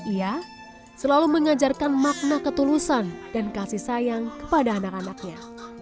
ia selalu mengajarkan makna ketulusan dan kasih sayang kepada anak anaknya